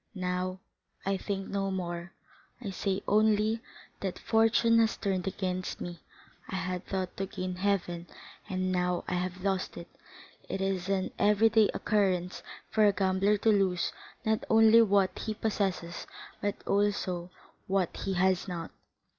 Now, I think no more; I say only that fortune has turned against me—I had thought to gain heaven, and now I have lost it. It is an every day occurrence for a gambler to lose not only what he possesses but also what he has not."